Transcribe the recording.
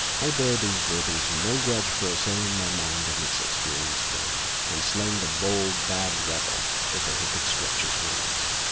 I bear these worthies no grudge for assail ing my mind in its experienced days, and slaying the bold, bad rebel before he could stretch his wings.